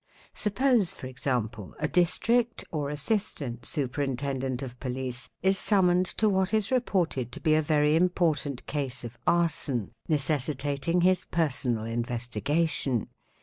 Suppose for example a District or Assistant Superin tendent of Police is summoned to what is reported to be a very important case of arson, necessitating his personal investigation.